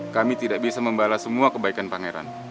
kami tidak bisa membalas semua kebaikan pangeran